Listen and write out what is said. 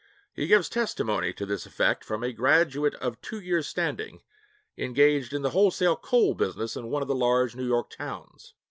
He gives testimony to this effect from a graduate of two years' standing 'engaged in the wholesale coal business in one of the large New York towns.'